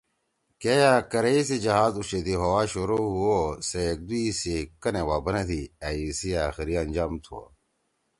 کے یأ کَریئ سی جہاز اوچیدی ہؤا شروع ہُو او سے ایکدَوئی سی کنَےوا بَنَدی أ اسی أخیری انجام تُھوا